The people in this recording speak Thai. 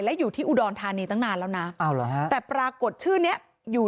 และอยู่ที่อุดรธานีตั้งนานแล้วนะแต่ปรากฏชื่อนี้อยู่